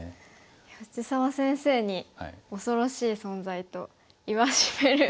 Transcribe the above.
いや藤沢先生に恐ろしい存在と言わしめる。